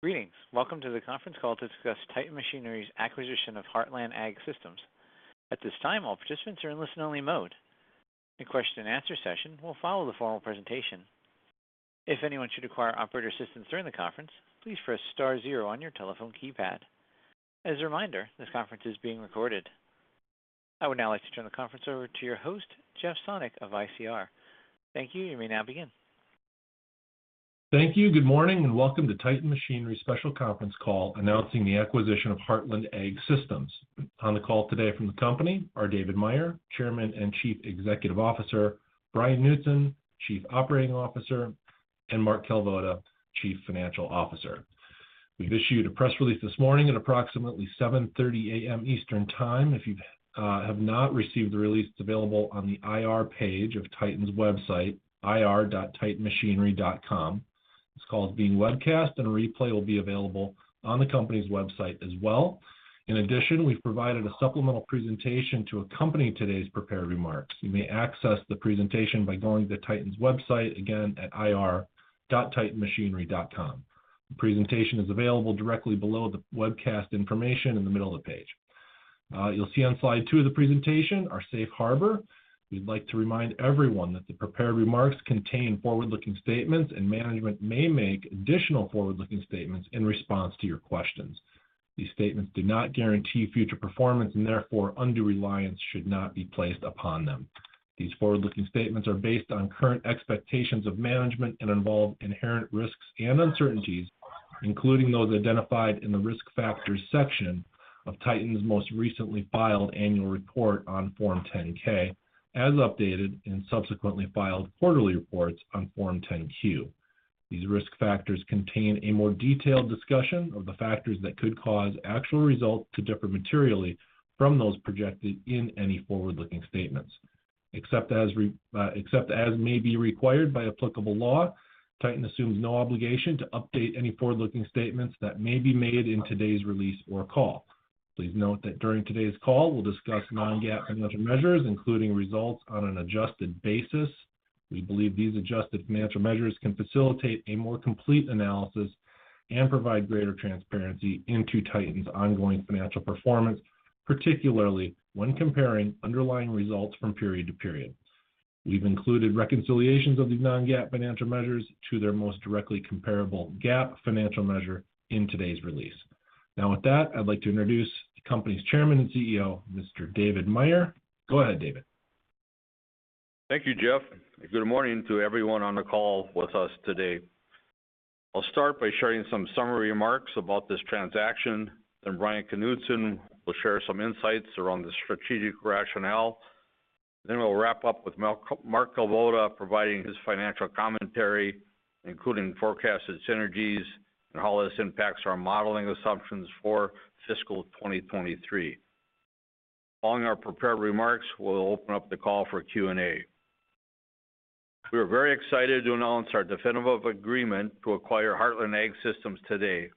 Greetings. Welcome to the conference call to discuss Titan Machinery's acquisition of Heartland AG Systems. At this time, all participants are in listen-only mode. A question-and-answer session will follow the formal presentation. If anyone should require operator assistance during the conference, please press star zero on your telephone keypad. As a reminder, this conference is being recorded. I would now like to turn the conference over to your host, Jeff Sonnek of ICR. Thank you. You may now begin. Thank you. Good morning, and welcome to Titan Machinery's special conference call announcing the acquisition of Heartland AG Systems. On the call today from the company are David Meyer, Chairman and Chief Executive Officer, Bryan Knutson, Chief Operating Officer, and Mark Kalvoda, Chief Financial Officer. We've issued a press release this morning at approximately 7:30 A.M. Eastern Time. If you have not received the release, it's available on the IR page of Titan's website, ir.titanmachinery.com. This call is being webcast and a replay will be available on the company's website as well. In addition, we've provided a supplemental presentation to accompany today's prepared remarks. You may access the presentation by going to Titan's website, again, at ir.titanmachinery.com. The presentation is available directly below the webcast information in the middle of the page. You'll see on slide 2 of the presentation our safe harbor. We'd like to remind everyone that the prepared remarks contain forward-looking statements and management may make additional forward-looking statements in response to your questions. These statements do not guarantee future performance and therefore undue reliance should not be placed upon them. These forward-looking statements are based on current expectations of management and involve inherent risks and uncertainties, including those identified in the Risk Factors section of Titan's most recently filed annual report on Form 10-K, as updated in subsequently filed quarterly reports on Form 10-Q. These risk factors contain a more detailed discussion of the factors that could cause actual results to differ materially from those projected in any forward-looking statements. Except as may be required by applicable law, Titan assumes no obligation to update any forward-looking statements that may be made in today's release or call. Please note that during today's call, we'll discuss non-GAAP financial measures, including results on an adjusted basis. We believe these adjusted financial measures can facilitate a more complete analysis and provide greater transparency into Titan's ongoing financial performance, particularly when comparing underlying results from period to period. We've included reconciliations of these non-GAAP financial measures to their most directly comparable GAAP financial measure in today's release. Now, with that, I'd like to introduce the company's Chairman and CEO, Mr. David Meyer. Go ahead, David. Thank you, Jeff. Good morning to everyone on the call with us today. I'll start by sharing some summary remarks about this transaction. Bryan Knutson will share some insights around the strategic rationale. We'll wrap up with Mark Kalvoda providing his financial commentary, including forecasted synergies and how this impacts our modeling assumptions for fiscal 2023. Following our prepared remarks, we'll open up the call for Q&A. We are very excited to announce our definitive agreement to acquire Heartland AG Systems today.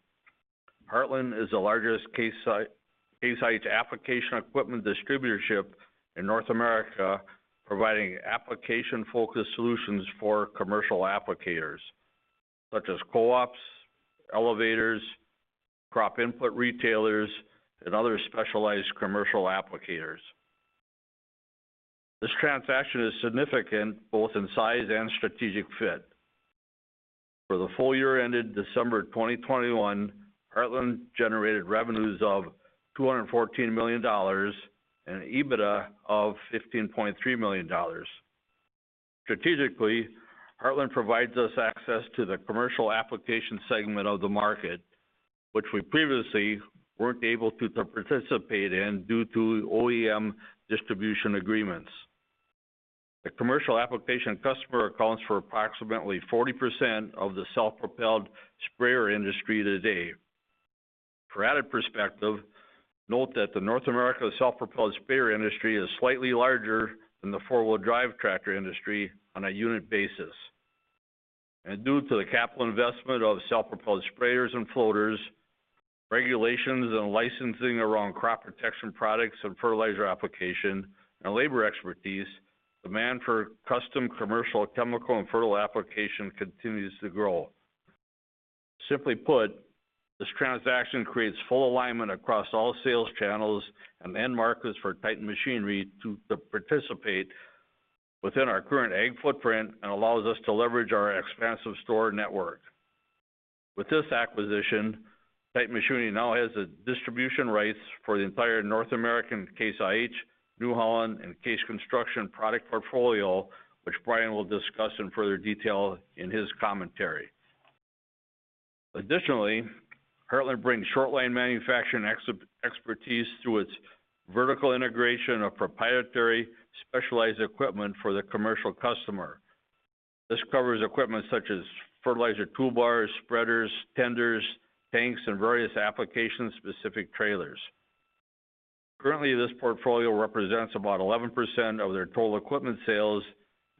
Heartland is the largest Case IH application equipment distributorship in North America, providing application-focused solutions for commercial applicators such as co-ops, elevators, crop input retailers, and other specialized commercial applicators. This transaction is significant both in size and strategic fit. For the full year ended December 2021, Heartland generated revenues of $214 million and an EBITDA of $15.3 million. Strategically, Heartland provides us access to the commercial application segment of the market, which we previously weren't able to participate in due to OEM distribution agreements. The commercial application customer accounts for approximately 40% of the self-propelled sprayer industry today. For added perspective, note that the North America self-propelled sprayer industry is slightly larger than the four-wheel drive tractor industry on a unit basis. Due to the capital investment of self-propelled sprayers and floaters, regulations and licensing around crop protection products and fertilizer application and labor expertise, demand for custom commercial chemical and fertilizer application continues to grow. Simply put, this transaction creates full alignment across all sales channels and end markets for Titan Machinery to participate within our current ag footprint and allows us to leverage our expansive store network. With this acquisition, Titan Machinery now has the distribution rights for the entire North American Case IH, New Holland, and CASE Construction product portfolio, which Bryan will discuss in further detail in his commentary. Additionally, Heartland brings short line manufacturing expertise through its vertical integration of proprietary specialized equipment for the commercial customer. This covers equipment such as fertilizer toolbars, spreaders, tenders, tanks, and various application-specific trailers. Currently, this portfolio represents about 11% of their total equipment sales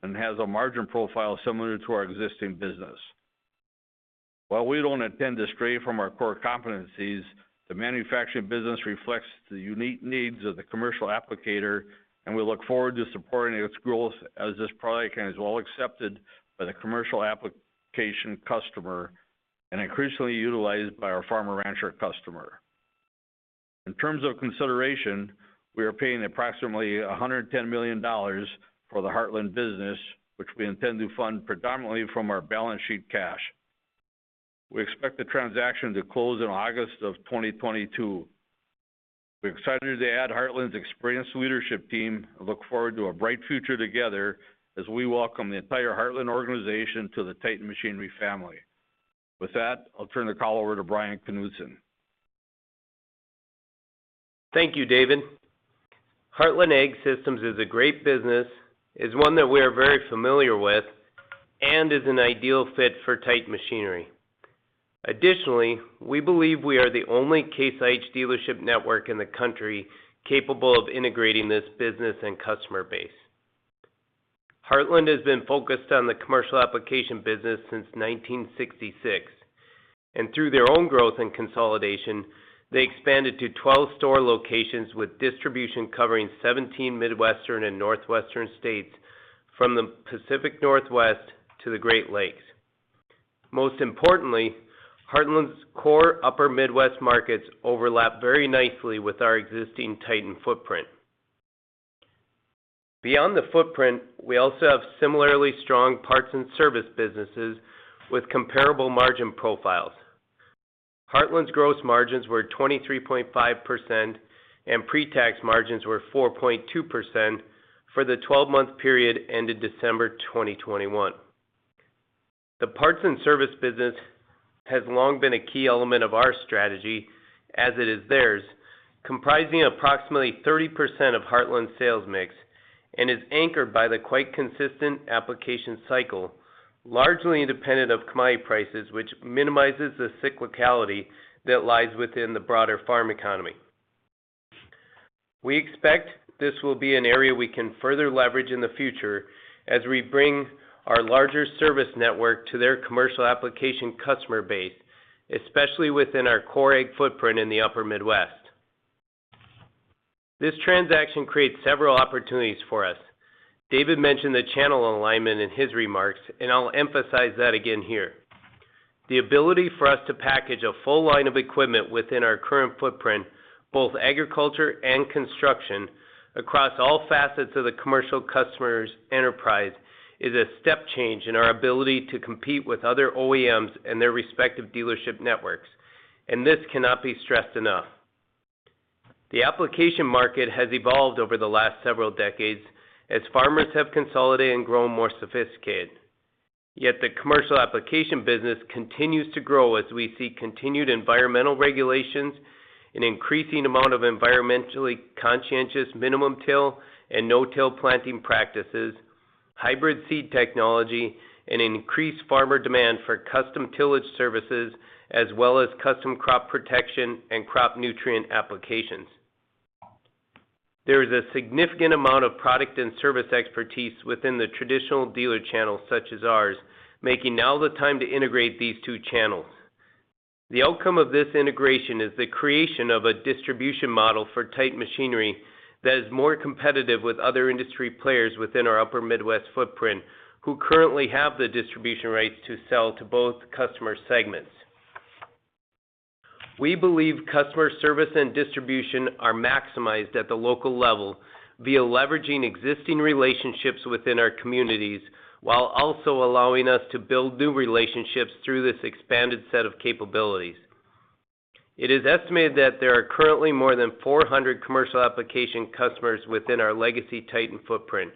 and has a margin profile similar to our existing business. While we don't intend to stray from our core competencies, the manufacturing business reflects the unique needs of the commercial applicator, and we look forward to supporting its growth as this product line is well accepted by the commercial application customer and increasingly utilized by our farmer/rancher customer. In terms of consideration, we are paying approximately $110 million for the Heartland business, which we intend to fund predominantly from our balance sheet cash. We expect the transaction to close in August of 2022. We're excited to add Heartland's experienced leadership team and look forward to a bright future together as we welcome the entire Heartland organization to the Titan Machinery family. With that, I'll turn the call over to Bryan Knutson. Thank you, David. Heartland AG Systems is a great business, is one that we are very familiar with, and is an ideal fit for Titan Machinery. Additionally, we believe we are the only Case IH dealership network in the country capable of integrating this business and customer base. Heartland has been focused on the commercial application business since 1966, and through their own growth and consolidation, they expanded to 12 store locations with distribution covering 17 Midwestern and Northwestern states from the Pacific Northwest to the Great Lakes. Most importantly, Heartland's core upper Midwest markets overlap very nicely with our existing Titan footprint. Beyond the footprint, we also have similarly strong parts and service businesses with comparable margin profiles. Heartland's gross margins were 23.5% and pre-tax margins were 4.2% for the 12-month period ended December 2021. The parts and service business has long been a key element of our strategy as it is theirs, comprising approximately 30% of Heartland's sales mix and is anchored by the quite consistent application cycle, largely independent of commodity prices, which minimizes the cyclicality that lies within the broader farm economy. We expect this will be an area we can further leverage in the future as we bring our larger service network to their commercial application customer base, especially within our core ag footprint in the upper Midwest. This transaction creates several opportunities for us. David mentioned the channel alignment in his remarks, and I'll emphasize that again here. The ability for us to package a full line of equipment within our current footprint, both agriculture and construction, across all facets of the commercial customer's enterprise, is a step change in our ability to compete with other OEMs and their respective dealership networks, and this cannot be stressed enough. The application market has evolved over the last several decades as farmers have consolidated and grown more sophisticated. Yet the commercial application business continues to grow as we see continued environmental regulations, an increasing amount of environmentally conscientious minimum till and no-till planting practices, hybrid seed technology, and increased farmer demand for custom tillage services as well as custom crop protection and crop nutrient applications. There is a significant amount of product and service expertise within the traditional dealer channel such as ours, making now the time to integrate these two channels. The outcome of this integration is the creation of a distribution model for Titan Machinery that is more competitive with other industry players within our upper Midwest footprint who currently have the distribution rights to sell to both customer segments. We believe customer service and distribution are maximized at the local level via leveraging existing relationships within our communities, while also allowing us to build new relationships through this expanded set of capabilities. It is estimated that there are currently more than 400 commercial application customers within our legacy Titan footprint,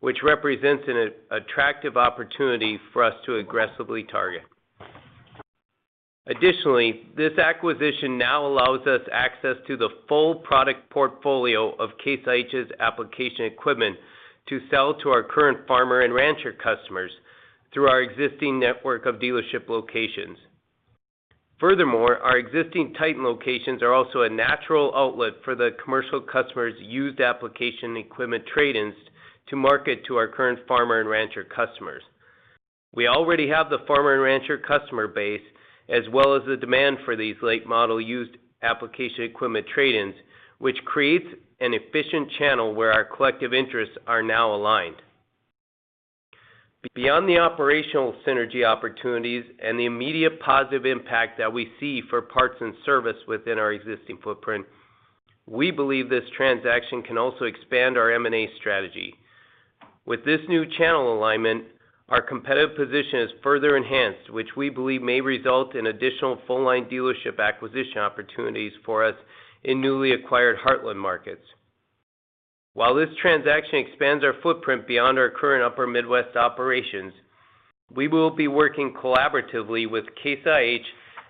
which represents an attractive opportunity for us to aggressively target. Additionally, this acquisition now allows us access to the full product portfolio of Case IH's application equipment to sell to our current farmer and rancher customers through our existing network of dealership locations. Furthermore, our existing Titan locations are also a natural outlet for the commercial customers' used application equipment trade-ins to market to our current farmer and rancher customers. We already have the farmer and rancher customer base, as well as the demand for these late model used application equipment trade-ins, which creates an efficient channel where our collective interests are now aligned. Beyond the operational synergy opportunities and the immediate positive impact that we see for parts and service within our existing footprint, we believe this transaction can also expand our M&A strategy. With this new channel alignment, our competitive position is further enhanced, which we believe may result in additional full line dealership acquisition opportunities for us in newly acquired Heartland markets. While this transaction expands our footprint beyond our current upper Midwest operations, we will be working collaboratively with Case IH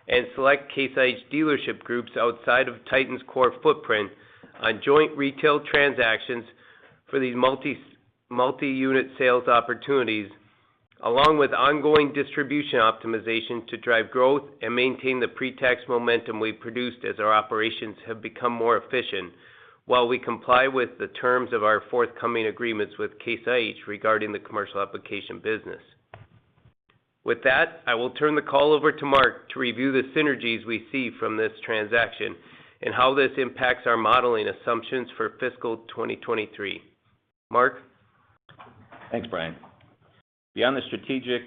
and select Case IH dealership groups outside of Titan's core footprint on joint retail transactions for these multi-unit sales opportunities, along with ongoing distribution optimization to drive growth and maintain the pre-tax momentum we've produced as our operations have become more efficient while we comply with the terms of our forthcoming agreements with Case IH regarding the commercial application business. With that, I will turn the call over to Mark to review the synergies we see from this transaction and how this impacts our modeling assumptions for fiscal 2023. Mark? Thanks, Bryan. Beyond the strategic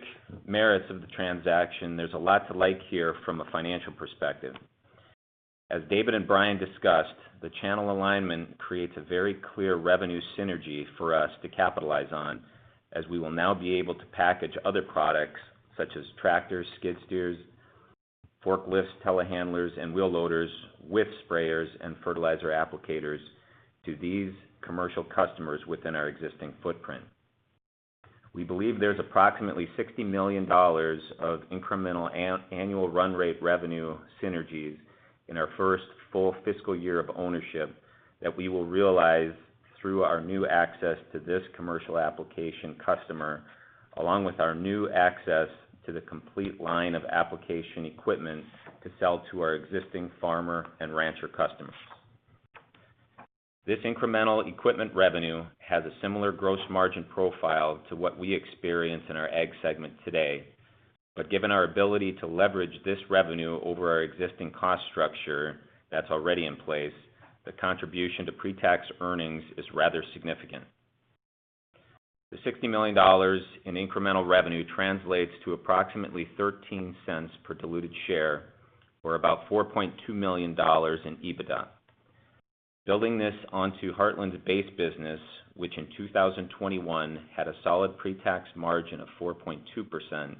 merits of the transaction, there's a lot to like here from a financial perspective. As David and Bryan discussed, the channel alignment creates a very clear revenue synergy for us to capitalize on as we will now be able to package other products such as tractors, skid steers, forklifts, telehandlers, and wheel loaders with sprayers and fertilizer applicators to these commercial customers within our existing footprint. We believe there's approximately $60 million of incremental annual run rate revenue synergies in our first full fiscal year of ownership that we will realize through our new access to this commercial application customer, along with our new access to the complete line of application equipment to sell to our existing farmer and rancher customers. This incremental equipment revenue has a similar gross margin profile to what we experience in our ag segment today. Given our ability to leverage this revenue over our existing cost structure that's already in place, the contribution to pre-tax earnings is rather significant. The $60 million in incremental revenue translates to approximately $0.13 per diluted share, or about $4.2 million in EBITDA. Building this onto Heartland's base business, which in 2021 had a solid pre-tax margin of 4.2%,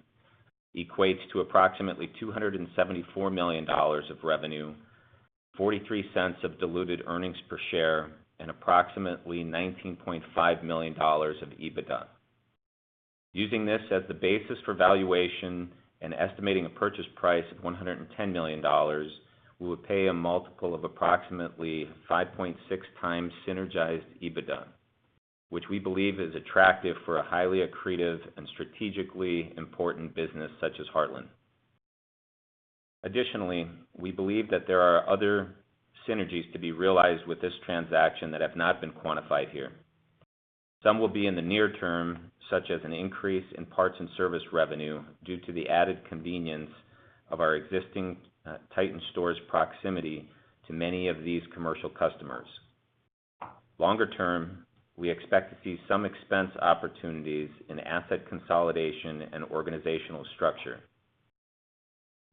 equates to approximately $274 million of revenue, $0.43 of diluted earnings per share, and approximately $19.5 million of EBITDA. Using this as the basis for valuation and estimating a purchase price of $110 million, we would pay a multiple of approximately 5.6x synergized EBITDA, which we believe is attractive for a highly accretive and strategically important business such as Heartland. Additionally, we believe that there are other synergies to be realized with this transaction that have not been quantified here. Some will be in the near term, such as an increase in parts and service revenue due to the added convenience of our existing Titan stores proximity to many of these commercial customers. Longer term, we expect to see some expense opportunities in asset consolidation and organizational structure.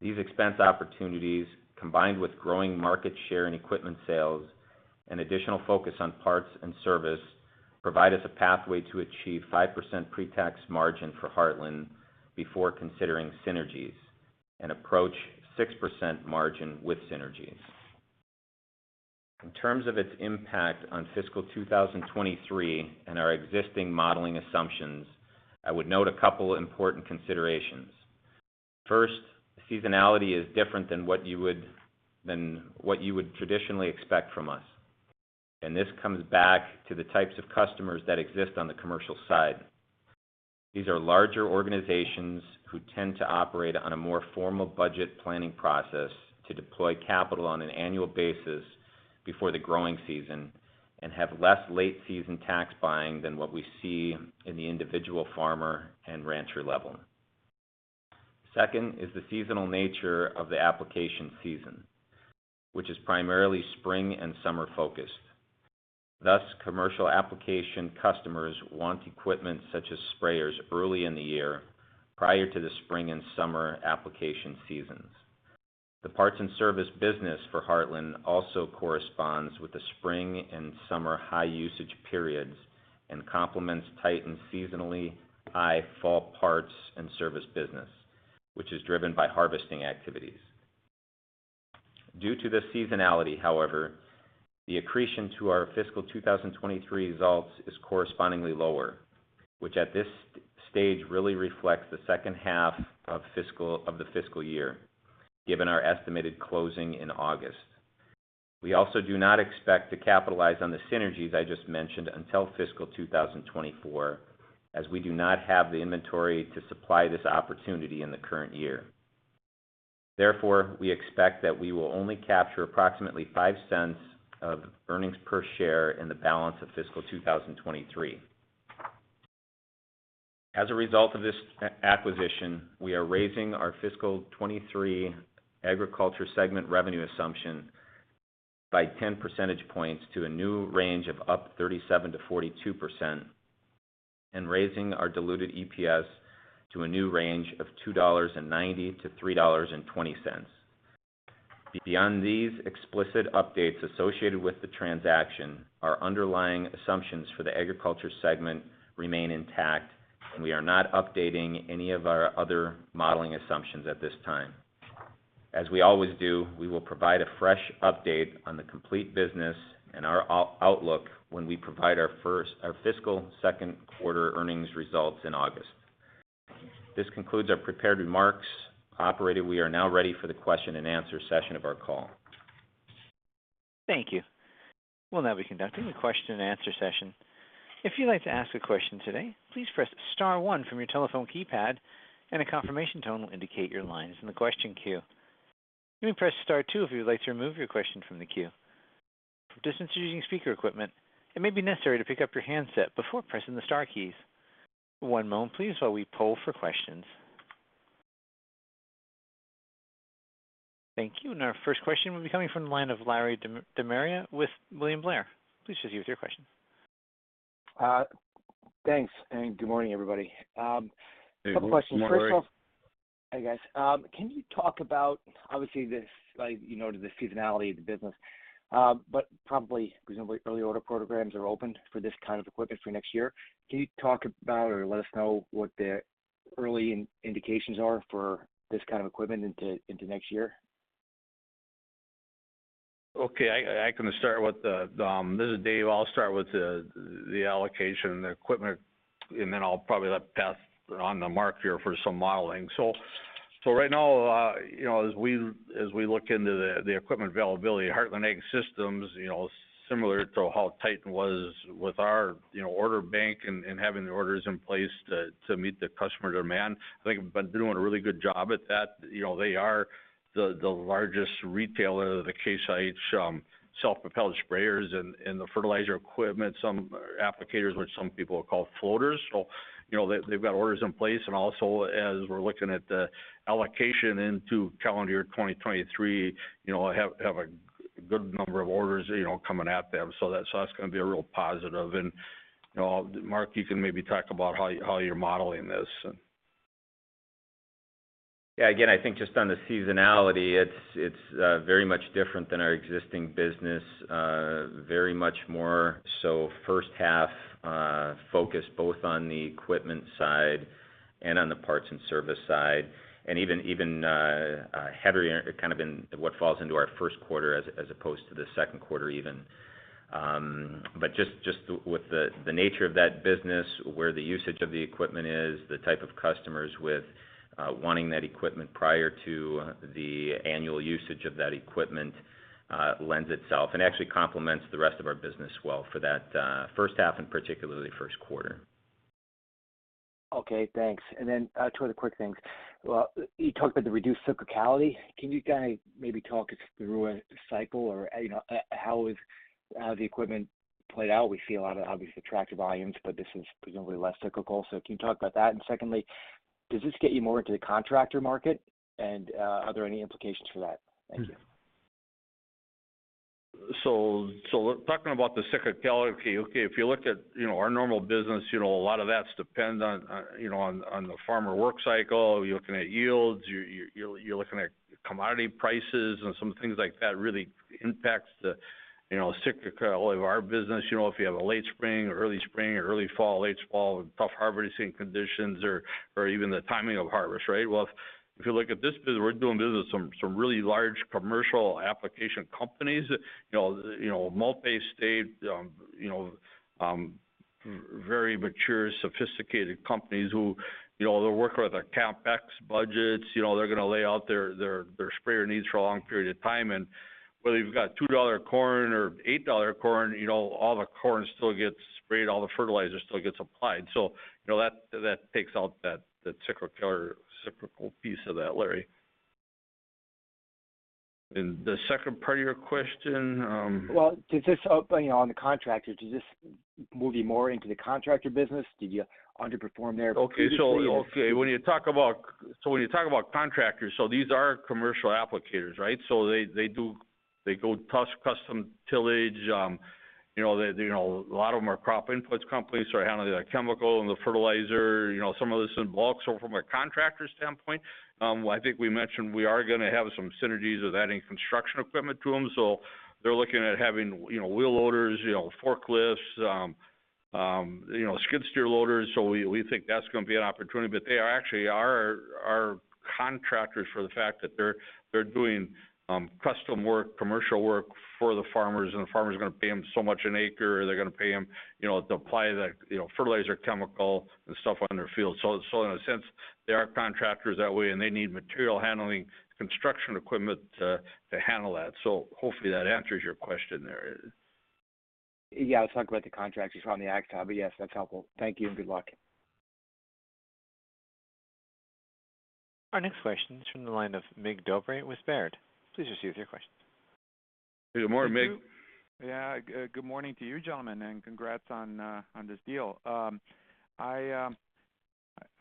These expense opportunities, combined with growing market share in equipment sales and additional focus on parts and service, provide us a pathway to achieve 5% pre-tax margin for Heartland before considering synergies and approach 6% margin with synergies. In terms of its impact on fiscal 2023 and our existing modeling assumptions, I would note a couple important considerations. First, seasonality is different than what you would traditionally expect from us, and this comes back to the types of customers that exist on the commercial side. These are larger organizations who tend to operate on a more formal budget planning process to deploy capital on an annual basis before the growing season and have less late season tax buying than what we see in the individual farmer and rancher level. Second is the seasonal nature of the application season, which is primarily spring and summer-focused. Thus, commercial application customers want equipment such as sprayers early in the year prior to the spring and summer application seasons. The parts and service business for Heartland also corresponds with the spring and summer high usage periods and complements Titan's seasonally high fall parts and service business, which is driven by harvesting activities. Due to the seasonality, however, the accretion to our fiscal 2023 results is correspondingly lower, which at this stage really reflects the second half of the fiscal year, given our estimated closing in August. We also do not expect to capitalize on the synergies I just mentioned until fiscal 2024, as we do not have the inventory to supply this opportunity in the current year. Therefore, we expect that we will only capture approximately $0.05 of earnings per share in the balance of fiscal 2023. As a result of this acquisition, we are raising our fiscal 2023 agriculture segment revenue assumption by 10 percentage points to a new range of up 37%-42% and raising our diluted EPS to a new range of $2.90-$3.20. Beyond these explicit updates associated with the transaction, our underlying assumptions for the agriculture segment remain intact, and we are not updating any of our other modeling assumptions at this time. As we always do, we will provide a fresh update on the complete business and our outlook when we provide our fiscal second quarter earnings results in August. This concludes our prepared remarks. Operator, we are now ready for the question-and-answer session of our call. Thank you. We'll now be conducting a question-and-answer session. If you'd like to ask a question today, please press star one from your telephone keypad and a confirmation tone will indicate your line is in the question queue. You may press star two if you would like to remove your question from the queue. For participants using speaker equipment, it may be necessary to pick up your handset before pressing the star keys. One moment please while we poll for questions. Thank you. Our first question will be coming from the line of Larry De Maria with William Blair. Please proceed with your question. Thanks, good morning, everybody. Good morning, Larry. A couple questions. First off, hi, guys. Can you talk about obviously this, like, you know, the seasonality of the business, but probably presumably early order programs are open for this kind of equipment for next year. Can you talk about or let us know what the early indications are for this kind of equipment into next year? Okay. I can start with the allocation and the equipment. This is David. I'll start with the allocation and the equipment, and then I'll probably let Brian hand over to Mark here for some modeling. Right now, you know, as we look into the equipment availability, Heartland AG Systems, you know, similar to how Titan was with our, you know, order bank and having the orders in place to meet the customer demand, I think have been doing a really good job at that. You know, they are the largest retailer of the Case IH self-propelled sprayers and the fertilizer equipment, some applicators, which some people call floaters. You know, they they've got orders in place. Also, as we're looking at the allocation into calendar year 2023, you know, have a good number of orders, you know, coming at them. That's gonna be a real positive. You know, Mark, you can maybe talk about how you're modeling this. Yeah. Again, I think just on the seasonality, it's very much different than our existing business. Very much more so first half, focused both on the equipment side and on the parts and service side. Even heavier kind of in what falls into our first quarter as opposed to the second quarter even. Just with the nature of that business, where the usage of the equipment is, the type of customers with wanting that equipment prior to the annual usage of that equipment, lends itself and actually complements the rest of our business well for that first half and particularly first quarter. Okay, thanks. Then, two other quick things. Well, you talked about the reduced cyclicality. Can you kind of maybe talk us through a cycle or, you know, how the equipment played out? We see a lot of obviously tractor volumes, but this is presumably less cyclical. Can you talk about that? Secondly, does this get you more into the contractor market? Are there any implications for that? Thank you. Talking about the cyclicality. Okay. If you look at, you know, our normal business, you know, a lot of that depends on, you know, on the farmer work cycle. You're looking at yields. You're looking at commodity prices and some things like that really impacts the, you know, cyclicality of our business. You know, if you have a late spring or early spring or early fall, late fall with tough harvesting conditions or even the timing of harvest, right? Well, if you look at this business, we're doing business with some really large commercial application companies. You know, multi-state, you know, very mature, sophisticated companies who, you know, they're working with a CapEx budgets. You know, they're gonna lay out their sprayer needs for a long period of time. Whether you've got $2 corn or $8 corn, you know, all the corn still gets sprayed, all the fertilizer still gets applied. You know, that takes out that cyclical piece of that, Larry. The second part of your question? Well, does this open, you know, on the contractor, does this move you more into the contractor business? Did you underperform there previously or- When you talk about contractors, these are commercial applicators, right? They do custom tillage. You know, a lot of them are crop inputs companies who are handling the chemical and the fertilizer. You know, some of this involves from a contractor standpoint. I think we mentioned we are gonna have some synergies of adding construction equipment to them. They're looking at having, you know, wheel loaders, you know, forklifts, skid steer loaders. We think that's gonna be an opportunity. They are actually contractors for the fact that they're doing custom work, commercial work for the farmers, and the farmer's gonna pay them so much an acre. They're gonna pay them, you know, to apply the, you know, fertilizer, chemical and stuff on their field. In a sense, they are contractors that way, and they need material handling construction equipment to handle that. Hopefully that answers your question there. Yeah. I was talking about the contractors on the ag side. Yes, that's helpful. Thank you and good luck. Our next question is from the line of Mircea Dobre with Baird. Please proceed with your questions. Good morning, Mircea. Yeah. Good morning to you, gentlemen, and congrats on this deal. I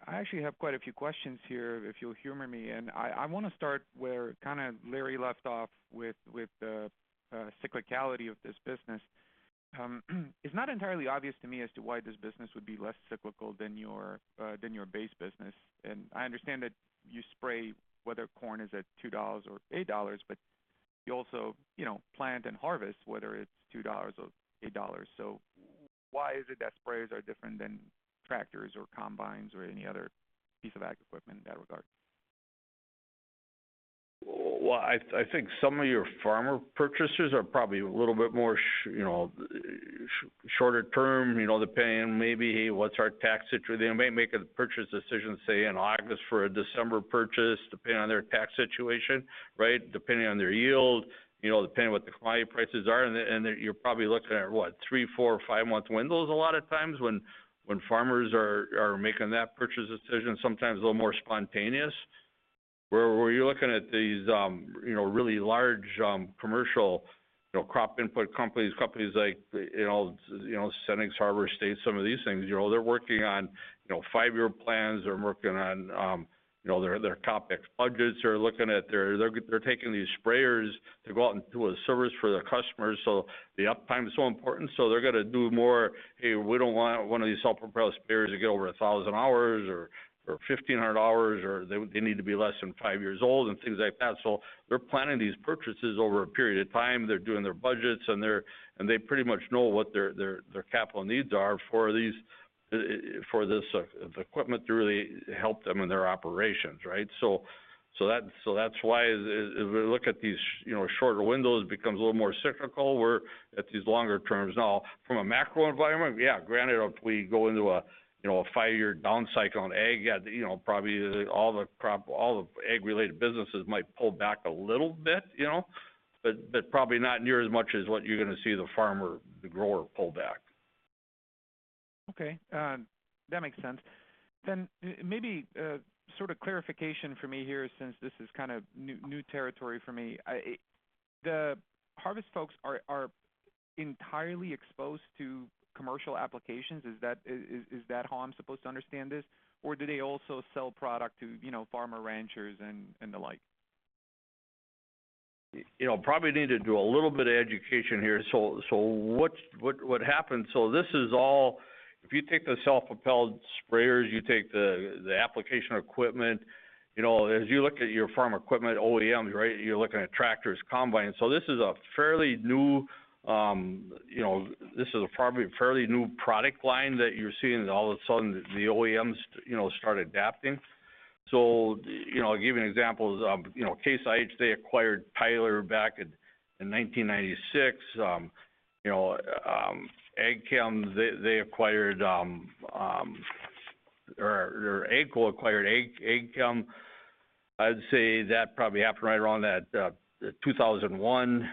actually have quite a few questions here, if you'll humor me. I wanna start where kinda Larry left off with the cyclicality of this business. It's not entirely obvious to me as to why this business would be less cyclical than your base business. I understand that you spray whether corn is at $2 or $8, but you also, you know, plant and harvest, whether it's $2 or $8. Why is it that sprayers are different than tractors or combines or any other piece of ag equipment in that regard? Well, I think some of your farmer purchasers are probably a little bit more short-term. You know, they're saying maybe, "Hey, what's our tax situation?" They may make a purchase decision, say, in August for a December purchase, depending on their tax situation, right? Depending on their yield, you know, depending on what the client prices are. You're probably looking at, what, three, four, or five-month windows a lot of times when farmers are making that purchase decision, sometimes a little more spontaneous. Where you're looking at these, really large, commercial, you know, crop input companies like, you know, Cenex Harvest States, some of these things, you know, they're working on, five-year plans. They're working on their CapEx budgets. They're taking these sprayers to go out and do a service for their customers. The uptime is so important, so they're gonna do more, "Hey, we don't want one of these self-propelled sprayers to get over 1,000 hours or 1,500 hours, or they need to be less than five years old," and things like that. They're planning these purchases over a period of time. They're doing their budgets, and they pretty much know what their capital needs are for these for this equipment to really help them in their operations, right? That's why as we look at these, you know, shorter windows, it becomes a little more cyclical. We're at these longer terms now. From a macro environment, yeah, granted, if we go into a, you know, a five-year down cycle in ag, yeah, you know, probably all the ag-related businesses might pull back a little bit, you know. But probably not near as much as what you're gonna see the farmer, the grower pull back. Okay. That makes sense. Maybe a sort of clarification for me here since this is kind of new territory for me. The Harvest folks are entirely exposed to commercial applications. Is that how I'm supposed to understand this? Or do they also sell product to, you know, farmer ranchers and the like? You know, probably need to do a little bit of education here. What happened, this is all. If you take the self-propelled sprayers, you take the application equipment, you know, as you look at your farm equipment OEMs, right, you're looking at tractors, combines. This is a probably fairly new product line that you're seeing all of a sudden the OEMs, you know, start adapting. You know, I'll give you an example. Case IH, they acquired Tyler back in 1996. Ag-Chem, they acquired- or AGCO acquired Ag-Chem. I'd say that probably happened right around that 2001.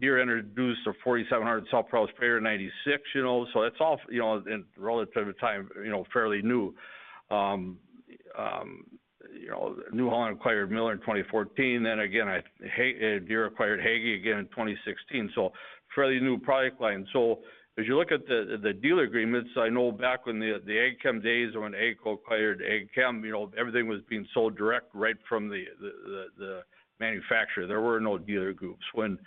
Deere introduced their 4700 self-propelled sprayer in 1996, you know. That's all, you know, in relative terms at the time, you know, fairly new. New Holland acquired Miller in 2014. Deere acquired Hagie in 2016. Fairly new product line. As you look at the dealer agreements, I know back when the Ag-Chem days or when AGCO acquired Ag-Chem, you know, everything was being sold direct right from the manufacturer. There were no dealer groups. When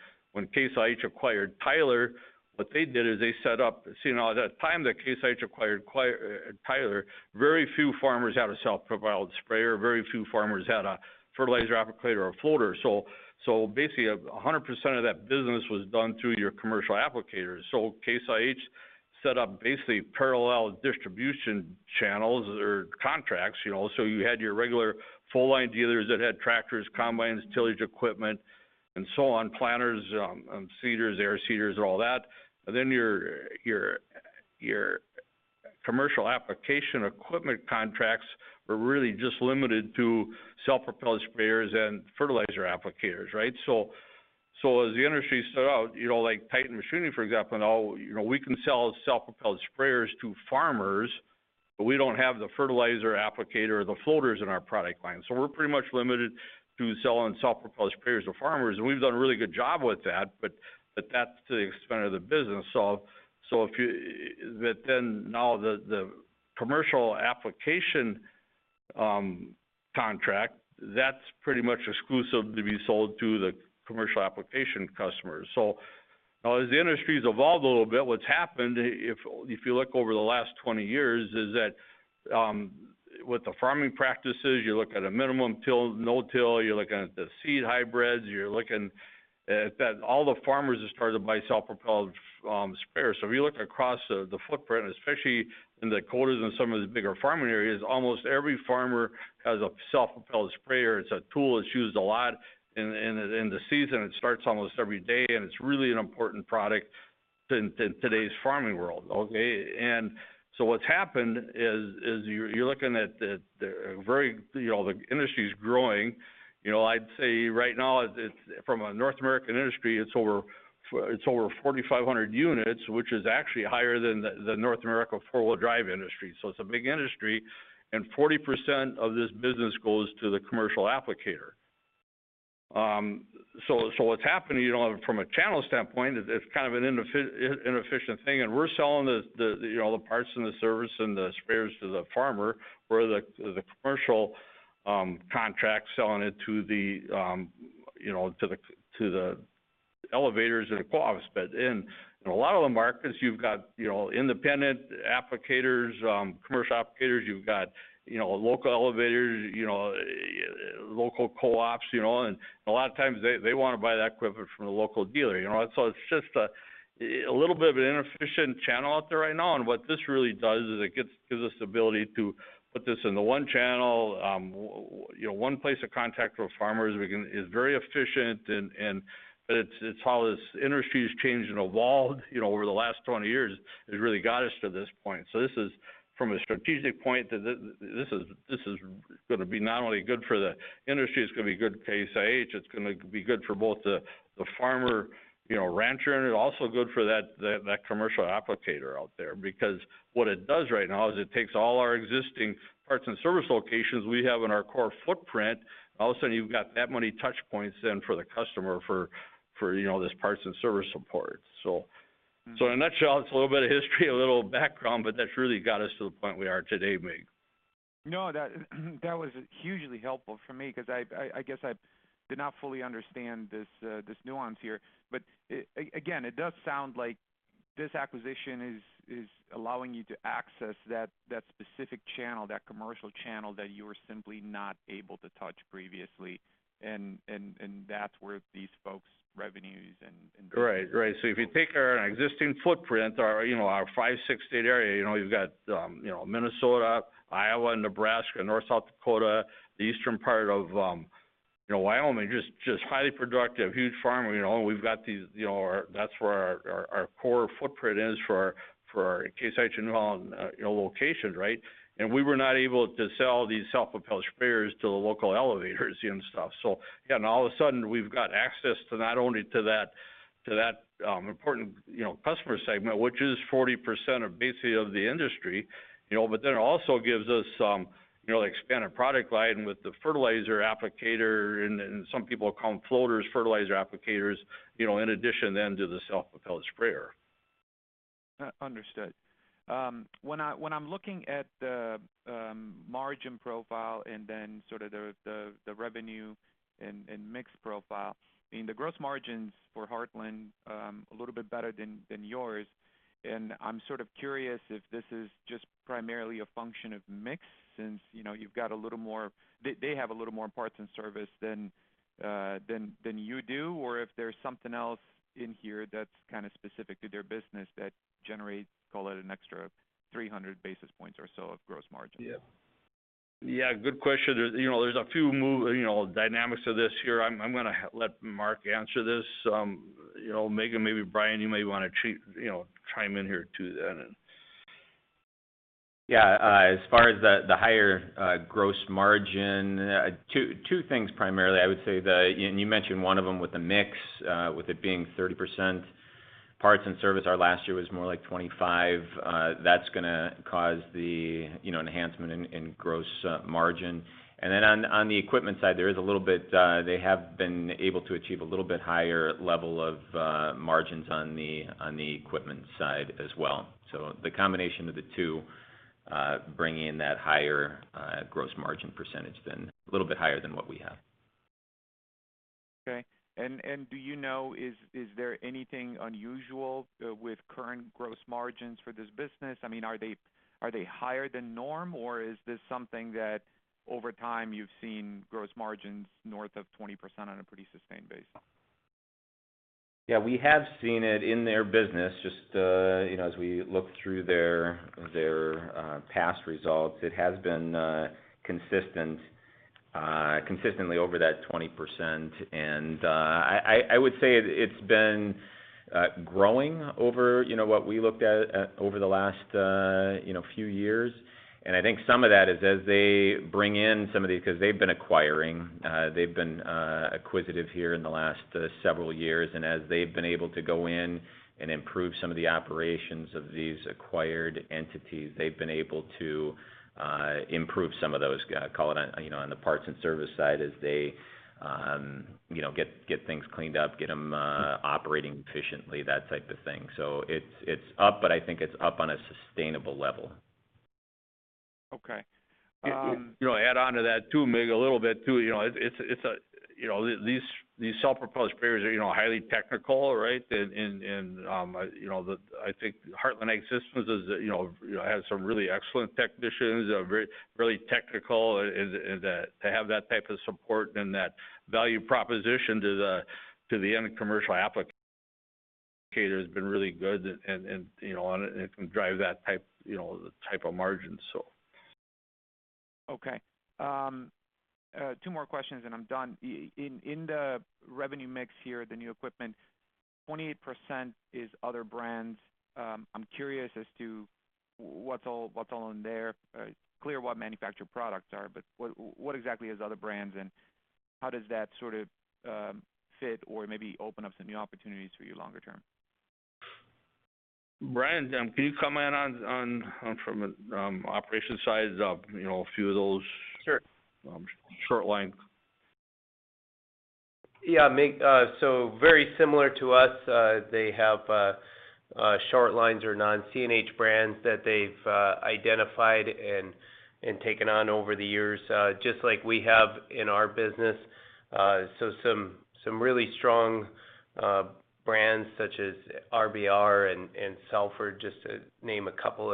Case IH acquired Tyler, what they did is they set up. At that time that Case IH acquired Tyler, very few farmers had a self-propelled sprayer. Very few farmers had a fertilizer applicator or floater. Basically 100% of that business was done through your commercial applicators. Case IH set up basically parallel distribution channels or contracts, you know. You had your regular full line dealers that had tractors, combines, tillage equipment, and so on, planters, seeders, air seeders and all that. Your commercial application equipment contracts were really just limited to self-propelled sprayers and fertilizer applicators, right? As the industry set out, you know, like Titan Machinery, for example, now, you know, we can sell self-propelled sprayers to farmers, but we don't have the fertilizer applicator or the floaters in our product line. We're pretty much limited to selling self-propelled sprayers to farmers, and we've done a really good job with that, but that's to the extent of the business. Now the commercial application contract, that's pretty much exclusive to be sold to the commercial application customers. Now as the industry's evolved a little bit, what's happened, if you look over the last 20 years, is that, with the farming practices, you're looking at a minimum till, no-till. You're looking at the seed hybrids. You're looking at that all the farmers are starting to buy self-propelled sprayers. If you look across the footprint, especially in the Corn Belt and some of the bigger farming areas, almost every farmer has a self-propelled sprayer. It's a tool that's used a lot in the season. It starts almost every day, and it's really an important product in today's farming world, okay? What's happened is you're looking at the very, you know, the industry's growing. You know, I'd say right now it's from a North American industry, it's over 4,500 units, which is actually higher than the North American four-wheel drive industry. It's a big industry, and 40% of this business goes to the commercial applicator. What's happening, you know, from a channel standpoint is it's kind of an inefficient thing, and we're selling the, you know, the parts and the service and the sprayers to the farmer or the commercial contractor selling it to the, you know, to the elevators and the co-ops. In a lot of the markets you've got, you know, independent applicators, commercial applicators. You've got, you know, local elevators, you know, local co-ops, you know. A lot of times they wanna buy that equipment from the local dealer, you know. It's just a little bit of an inefficient channel out there right now. What this really does is it gives us the ability to put this into one channel. You know, one place of contact for farmers is very efficient and but it's how this industry has changed and evolved, you know, over the last 20 years has really got us to this point. This is from a strategic point, this is gonna be not only good for the industry, it's gonna be good for Case IH. It's gonna be good for both the farmer, you know, rancher, and also good for that commercial applicator out there. Because what it does right now is it takes all our existing parts and service locations we have in our core footprint, all of a sudden you've got that many touch points, then for the customer, you know, this parts and service support. In a nutshell, it's a little bit of history, a little background, but that's really got us to the point we are today, Mircea. No, that was hugely helpful for me because I guess I did not fully understand this nuance here. Again, it does sound like this acquisition is allowing you to access that specific channel, that commercial channel that you were simply not able to touch previously. And that's where these folks' revenues and If you take our existing footprint, our, you know, our five-six state area, you know, we've got, you know, Minnesota, Iowa, Nebraska, North and South Dakota, the eastern part of, you know, Wyoming, just highly productive, huge farm. You know, we've got these, you know. That's where our core footprint is for our Case IH and, you know, locations, right? We were not able to sell these self-propelled sprayers to the local elevators and stuff. Again, all of a sudden, we've got access to not only that important customer segment, which is 40% of basically the industry, you know. It also gives us some, you know, expanded product line with the fertilizer applicator and some people call them floaters, fertilizer applicators, you know, in addition then to the self-propelled sprayer. Understood. When I'm looking at the margin profile and then sort of the revenue and mix profile, I mean, the gross margins for Heartland a little bit better than yours. I'm sort of curious if this is just primarily a function of mix since, you know, they have a little more parts and service than you do, or if there's something else in here that's kind of specific to their business that generates, call it an extra 300 basis points or so of gross margin. Yeah. Yeah, good question. You know, there's a few moves, you know, dynamics of this here. I'm gonna let Mark answer this. You know, maybe Bryan, you may want to, you know, chime in here too then. Yeah. As far as the higher gross margin, two things primarily I would say. You mentioned one of them with the mix, with it being 30% parts and service. Our last year was more like 25%. That's gonna cause the, you know, enhancement in gross margin. Then on the equipment side, there is a little bit, they have been able to achieve a little bit higher level of margins on the equipment side as well. The combination of the two bring in that higher gross margin percentage than a little bit higher than what we have. Okay. Do you know, is there anything unusual with current gross margins for this business? I mean, are they higher than normal, or is this something that over time you've seen gross margins north of 20% on a pretty sustained basis? Yeah, we have seen it in their business. Just you know as we look through their past results, it has been consistently over that 20%. I would say it's been growing over you know what we looked at over the last you know few years. I think some of that is as they bring in some of these. 'Cause they've been acquiring. They've been acquisitive here in the last several years. As they've been able to go in and improve some of the operations of these acquired entities, they've been able to improve some of those call it you know on the parts and service side as they you know get things cleaned up, get them operating efficiently, that type of thing. It's up, but I think it's up on a sustainable level. Okay. You know, add onto that too, Mircea, a little bit too. You know, these self-propelled sprayers are, you know, highly technical, right? I think Heartland AG Systems, you know, has some really excellent technicians, very, really technical is that to have that type of support and that value proposition to the end commercial applicator has been really good, and, you know, it can drive that type of margin, so. Okay. Two more questions and I'm done. In the revenue mix here, the new equipment, 28% is other brands. I'm curious as to what's all in there. It's clear what manufactured products are, but what exactly is other brands and how does that sort of fit or maybe open up some new opportunities for you longer term? Bryan, can you comment from operations side, you know, a few of those? Sure. Short line? Yeah. Mircea, so very similar to us, they have short lines or non-CNH brands that they've identified and taken on over the years, just like we have in our business. So some really strong brands such as RBR and Salford, just to name a couple.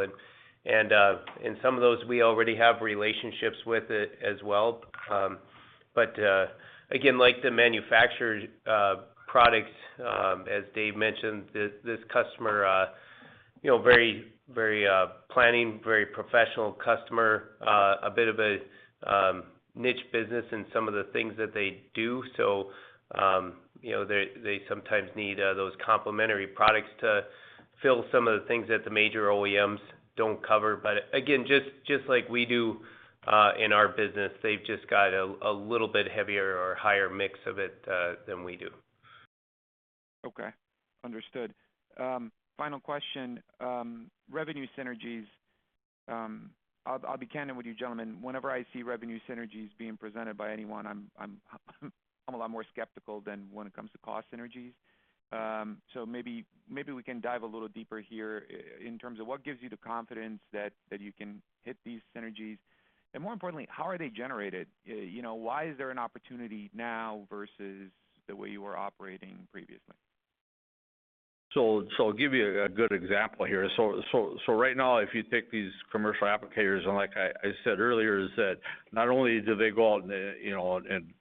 Some of those we already have relationships with it as well. Again, like the manufactured products, as David mentioned, this customer, you know, very planned, very professional customer, a bit of a niche business in some of the things that they do. You know, they sometimes need those complementary products to fill some of the things that the major OEMs don't cover. Again, just like we do in our business, they've just got a little bit heavier or higher mix of it than we do. Okay. Understood. Final question. Revenue synergies. I'll be candid with you gentlemen. Whenever I see revenue synergies being presented by anyone, I'm a lot more skeptical than when it comes to cost synergies. So maybe we can dive a little deeper here in terms of what gives you the confidence that you can hit these synergies? More importantly, how are they generated? You know, why is there an opportunity now versus the way you were operating previously? I'll give you a good example here. Right now, if you take these commercial applicators, and like I said earlier, is that not only do they go out and, you know, and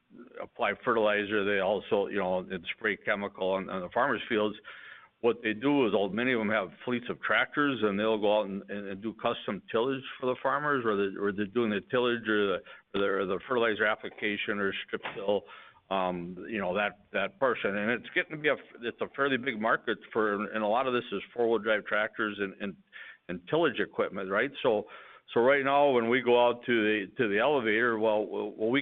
apply fertilizer, they also- you know, and spray chemical on the farmers' fields. What they do is many of them have fleets of tractors, and they'll go out and do custom tillage for the farmers, or they're doing the tillage or the fertilizer application or strip till, you know, that person. It's a fairly big market. A lot of this is four-wheel drive tractors and tillage equipment, right? Right now, when we go out to the elevator, well, we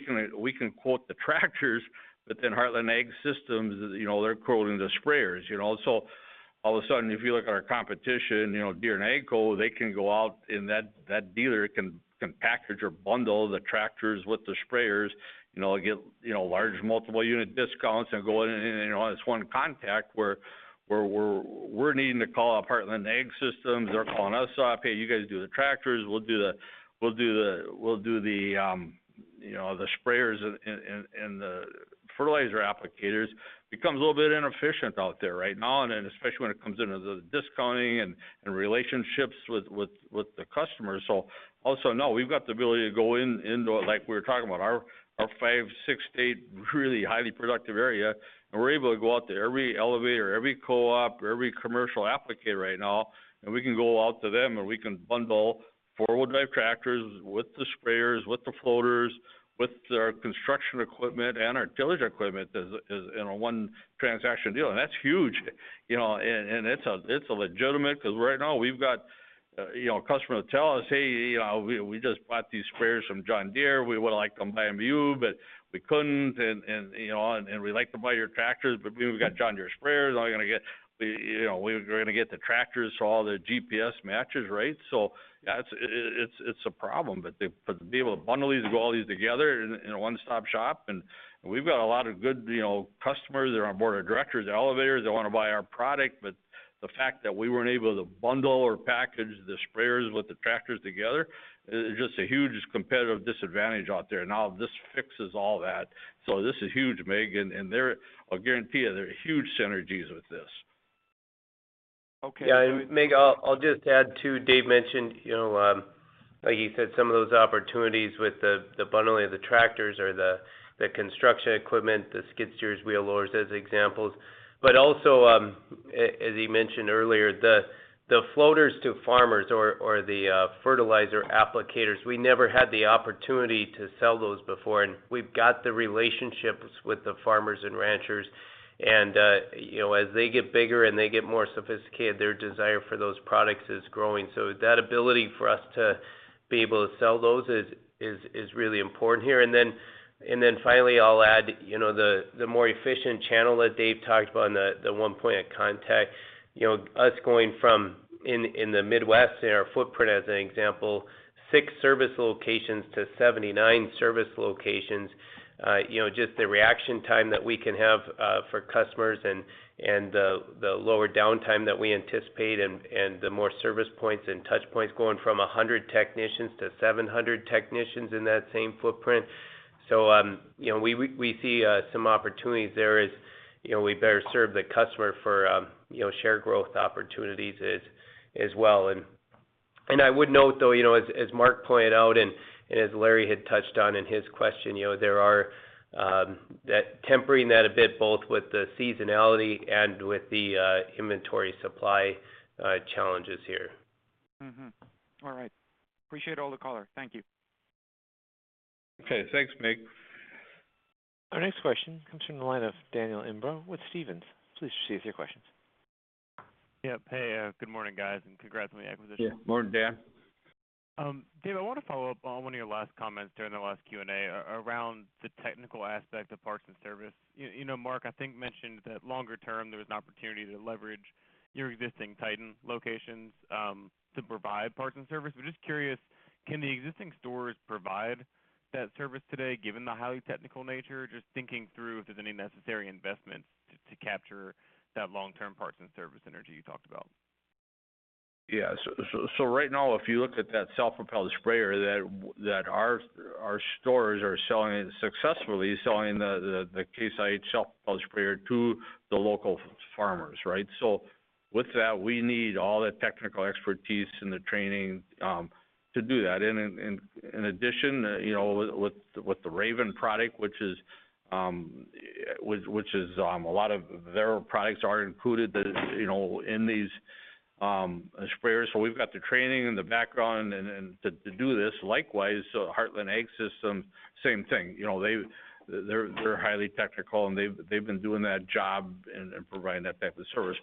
can quote the tractors, but then Heartland AG Systems, you know, they're quoting the sprayers, you know. All of a sudden, if you look at our competition, you know, Deere & Co, they can go out and that dealer can package or bundle the tractors with the sprayers, you know, get, you know, large multiple unit discounts. Go in you know this one contact where we're needing to call up Heartland AG Systems, they're calling us up. Hey, you guys do the tractors, we'll do the sprayers and the fertilizer applicators. Becomes a little bit inefficient out there right now, and then especially when it comes into the discounting and relationships with the customers, so. We've got the ability to go in, into, like we were talking about our five-six state really highly productive area. We're able to go out to every elevator, every co-op, every commercial applicator right now, and we can go out to them, and we can bundle four-wheel drive tractors with the sprayers, with the floaters, with our construction equipment, and our tillage equipment as in a one transaction deal. That's huge, you know. It's a legitimate. 'Cause right now we've got, you know, a customer tell us, "Hey, you know, we just bought these sprayers from John Deere. We would like to buy them from you, but we couldn't. You know, we'd like to buy your tractors, but we've got John Deere sprayers. How are we gonna get the tractors so all the GPS matches, right?" Yeah, it's a problem. To be able to bundle these and go all these together in a one-stop shop. We've got a lot of good, you know, customers that are on boards of directors at elevators that want to buy our product. The fact that we weren't able to bundle or package the sprayers with the tractors together is just a huge competitive disadvantage out there. Now this fixes all that. This is huge, Mircea. I'll guarantee you there are huge synergies with this. Okay. Yeah. Mircea, I'll just add to what Dave mentioned, you know, like he said, some of those opportunities with the bundling of the tractors or the construction equipment, the skid steers, wheel loaders as examples. As he mentioned earlier, the floaters to farmers or the fertilizer applicators, we never had the opportunity to sell those before. We've got the relationships with the farmers and ranchers. You know, as they get bigger and they get more sophisticated, their desire for those products is growing. That ability for us to be able to sell those is really important here. Finally, I'll add, you know, the more efficient channel that Dave talked about and the one point of contact. You know, us going from in the Midwest in our footprint as an example, six service locations to 79 service locations. You know, just the reaction time that we can have for customers and the lower downtime that we anticipate and the more service points and touch points going from 100 technicians to 700 technicians in that same footprint. You know, we see some opportunities there as you know, we better serve the customer for you know, share growth opportunities as well. I would note though, you know, as Mark pointed out and as Larry had touched on in his question, you know, there is that tempering that a bit both with the seasonality and with the inventory supply challenges here. All right. Appreciate all the color. Thank you. Okay. Thanks, Mircea. Our next question comes from the line of Daniel Imbro with Stephens. Please proceed with your questions. Yep. Hey, good morning, guys, and congrats on the acquisition. Yeah. Morning, Dan. David, I want to follow up on one of your last comments during the last Q&A around the technical aspect of parts and service. You know, Mark I think mentioned that longer term there was an opportunity to leverage your existing Titan locations to provide parts and service. Just curious, can the existing stores provide that service today given the highly technical nature? Just thinking through if there's any necessary investments to capture that long-term parts and service synergy you talked about. Yeah. So right now, if you look at that self-propelled sprayer that our stores are selling it successfully, selling the Case IH self-propelled sprayer to the local farmers, right? With that, we need all the technical expertise and the training to do that. In addition, you know, with the Raven product, which is a lot of their products are included that, you know, in these sprayers. We've got the training and the background and to do this. Likewise, Heartland AG Systems, same thing. You know, they're highly technical, and they've been doing that job and providing that type of service.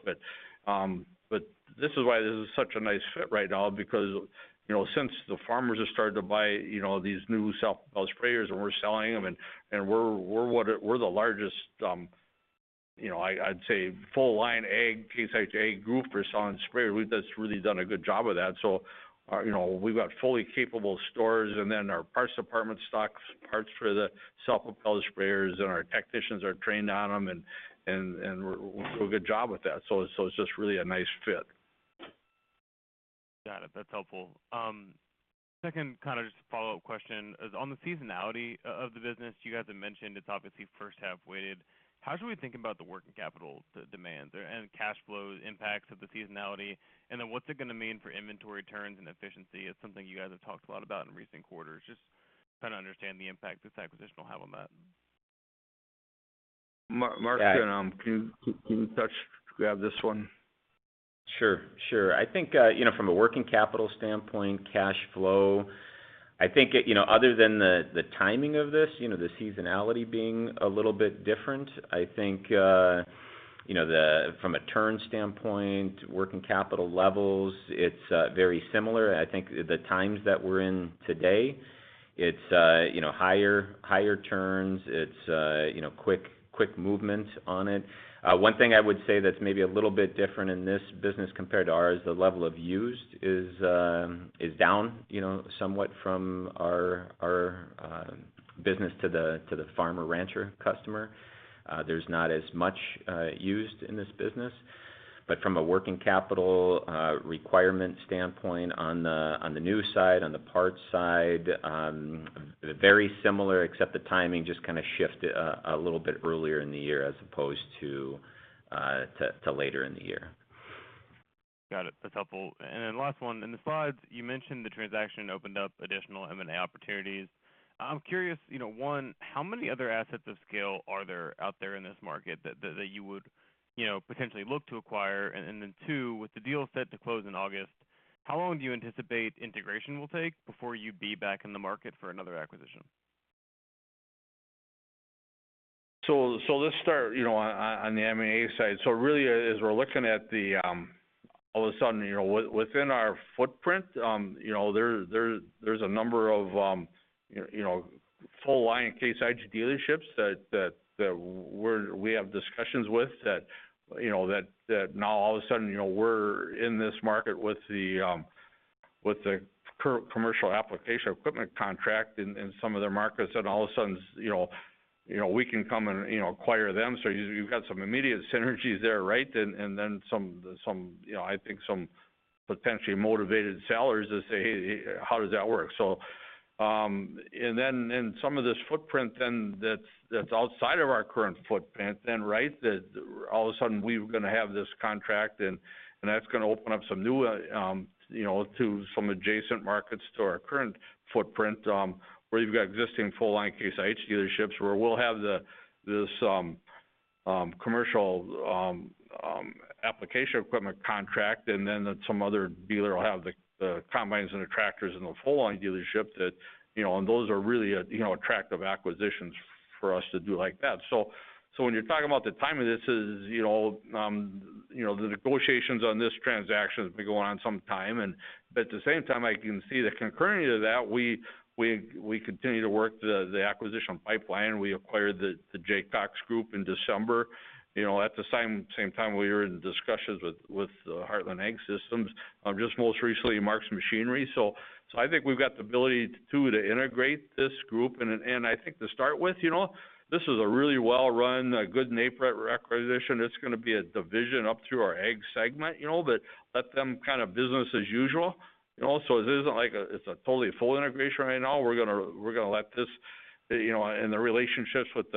This is why this is such a nice fit right now because, you know, since the farmers have started to buy, you know, these new self-propelled sprayers and we're selling them, and we're the largest. You know, I'd say full line ag, Case IH Group for selling sprayer. That's really done a good job of that. You know, we've got fully capable stores, and then our parts department stocks parts for the self-propelled sprayers, and our technicians are trained on them, and we do a good job with that. It's just really a nice fit. Got it. That's helpful. Second kind of just follow-up question is on the seasonality of the business. You guys have mentioned it's obviously first half weighted. How should we think about the working capital, the demands and cash flow impacts of the seasonality? And then what's it gonna mean for inventory turns and efficiency? It's something you guys have talked a lot about in recent quarters. Just kinda understand the impact this acquisition will have on that. Mark, can you grab this one? Sure. I think, you know, from a working capital standpoint, cash flow, I think, you know, other than the timing of this, you know, the seasonality being a little bit different, I think, you know, from a turn standpoint, working capital levels, it's very similar. I think the times that we're in today, it's, you know, higher turns. It's, you know, quick movement on it. One thing I would say that's maybe a little bit different in this business compared to ours, the level of used is down, you know, somewhat from our business to the farmer rancher customer. There's not as much used in this business. From a working capital requirement standpoint on the new side, on the parts side, very similar, except the timing just kind of shifted a little bit earlier in the year as opposed to later in the year. Got it. That's helpful. Last one. In the slides, you mentioned the transaction opened up additional M&A opportunities. I'm curious, you know, one, how many other assets of scale are there out there in this market that you would, you know, potentially look to acquire? Two, with the deal set to close in August, how long do you anticipate integration will take before you'd be back in the market for another acquisition? Let's start, you know, on the M&A side. Really as we're looking at the all of a sudden, you know, within our footprint, you know, there's a number of, you know, full line Case IH dealerships that we have discussions with that now all of a sudden, you know, we're in this market with the commercial application equipment contract in some of their markets, and all of a sudden, you know, we can come and, you know, acquire them. You've got some immediate synergies there, right? And then some, you know, I think some potentially motivated sellers that say, "Hey, how does that work?" And then in some of this footprint, then that's outside of our current footprint, right? That all of a sudden we're gonna have this contract and that's gonna open up some new, you know, to some adjacent markets to our current footprint, where you've got existing full line Case IH dealerships where we'll have this commercial application equipment contract, and then some other dealer will have the combines and the tractors and the full line dealership, you know, and those are really, you know, attractive acquisitions for us to do like that. When you're talking about the timing, this is, you know, the negotiations on this transaction has been going on some time and, but at the same time, I can see that concurrently to that we continue to work the acquisition pipeline. We acquired the Jaycox Group in December. You know, at the same time we were in discussions with Heartland AG Systems. Just most recently Mark's Machinery. I think we've got the ability to integrate this group. I think to start with, you know, this is a really well-run, good accretive acquisition. It's gonna be a division up through our ag segment, you know, that let them kind of business as usual, you know. It isn't like a, it's a totally full integration right now. We're gonna let them, you know, in the relationships with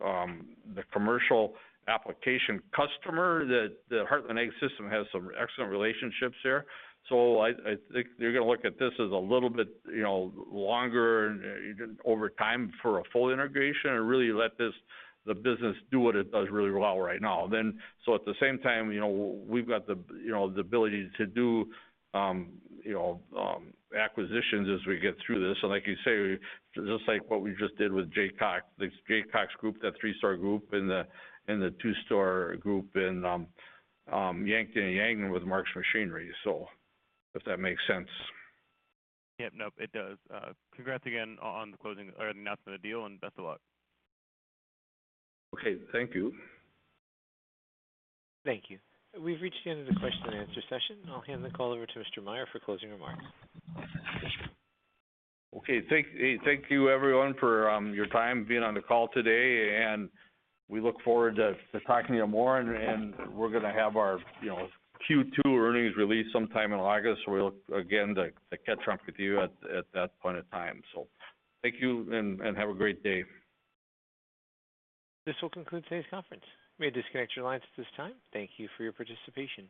the commercial application customer that the Heartland AG Systems has some excellent relationships there. I think they're gonna look at this as a little bit, you know, longer over time for a full integration and really let the business do what it does really well right now. At the same time, you know, we've got the ability to do acquisitions as we get through this. Like you say, just like what we just did with Jaycox. The Jaycox group, that three-store group and the two-store group in Yankton with Mark's Machinery. If that makes sense. Yep, nope, it does. Congrats again on the closing or announcement of the deal and best of luck. Okay. Thank you. Thank you. We've reached the end of the question and answer session. I'll hand the call over to Mr. Meyer for closing remarks. Okay. Thank you everyone for your time being on the call today, and we look forward to talking to you more, and we're gonna have our, you know, Q2 earnings release sometime in August. We look again to catch up with you at that point in time. Thank you and have a great day. This will conclude today's conference. You may disconnect your lines at this time. Thank you for your participation.